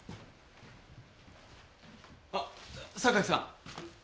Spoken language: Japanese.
あっ榊さん！